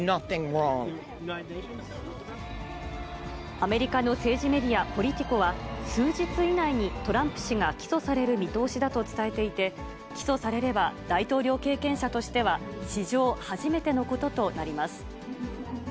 アメリカの政治メディア、ポリティコは、数日以内にトランプ氏が起訴される見通しだと伝えていて、起訴されれば、大統領経験者としては史上初めてのこととなります。